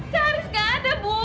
karis gak ada bu